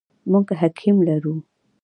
موږ حکیم لرو ؟